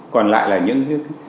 còn lại là những